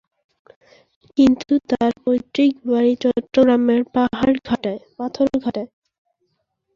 কিন্তু তার পৈত্রিক বাড়ি চট্টগ্রামের পাথরঘাটায়।